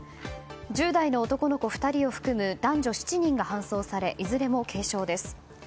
１０代の男の子２人を含む男女７人が搬送されいずれも軽傷です。